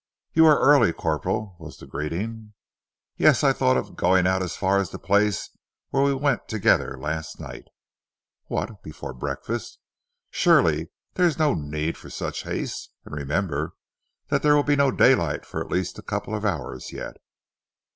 "You are early, Corporal," was the greeting. "Yes, I thought of going out as far as the place where we went together last night." "What! before breakfast? Surely there is no need for such haste, and remember there will be no daylight for at least a couple of hours yet."